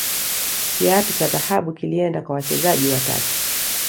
kiatu cha dhahabu kilienda kwa wachezaji watatu